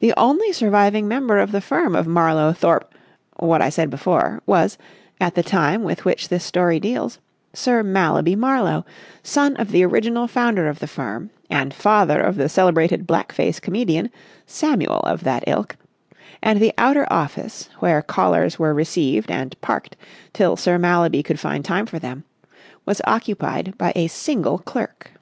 The only surviving member of the firm of Marlowe, Thorpe—what I said before—was, at the time with which this story deals, Sir Mallaby Marlowe, son of the original founder of the firm and father of the celebrated black face comedian, Samuel of that ilk; and the outer office, where callers were received and parked till Sir Mallaby could find time for them, was occupied by a single clerk.